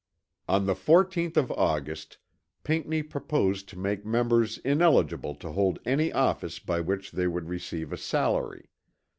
On the 14th of August Pinckney proposed to make members ineligible to hold any office by which they would receive a salary.